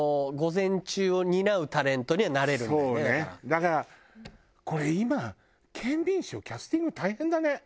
だからこれ今『ケンミンＳＨＯＷ』キャスティング大変だね。